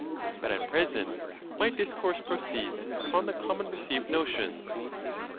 But, at present, my discourse proceeds upon the common received notions.